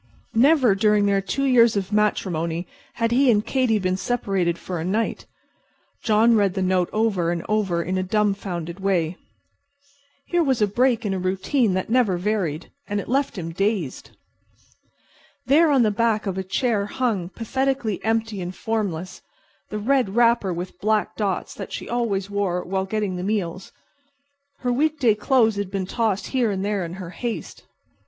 Never during their two years of matrimony had he and Katy been separated for a night. John read the note over and over in a dumbfounded way. Here was a break in a routine that had never varied, and it left him dazed. There on the back of a chair hung, pathetically empty and formless, the red wrapper with black dots that she always wore while getting the meals. Her week day clothes had been tossed here and there in her haste.